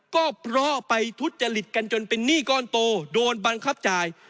ก็เพราะไปทุจริตกันจนเป็นหนี้ก้อนโตโดนบังคับจ่าย